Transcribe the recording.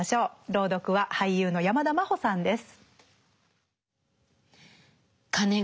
朗読は俳優の山田真歩さんです。